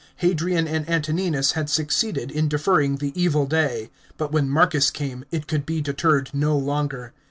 Hadrian and Antoninus had succeeded in deferring the evil day, but when Marcus came, it could be deterred no longer.